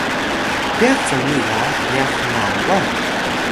ryax coni ga ryax hngawan